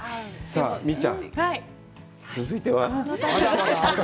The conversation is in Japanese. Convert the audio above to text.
さあみっちゃん続いては？